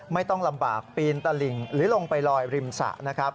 ไม่ต้องลำบากปีนตะหลิ่งหรือลงไปลอยริมสระนะครับ